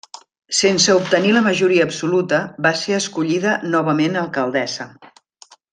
Sense obtenir la majoria absoluta va ser escollida novament alcaldessa.